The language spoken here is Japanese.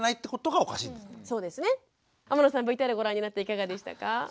天野さんＶＴＲをご覧になっていかがでしたか？